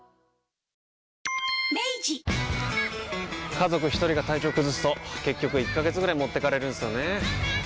家族一人が体調崩すと結局１ヶ月ぐらい持ってかれるんすよねー。